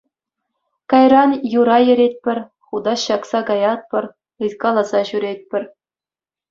Кайран юра еретпӗр, хутаҫ ҫакса каятпӑр, ыйткаласа ҫӳретпӗр.